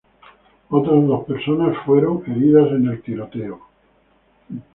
Otras dos personas fueron heridas en el tiroteo.